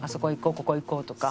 「ここ行こう」とか。